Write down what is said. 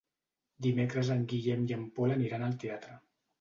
Dimecres en Guillem i en Pol aniran al teatre.